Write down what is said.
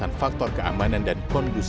bin menyebutkan kemampuan untuk mengeksekusi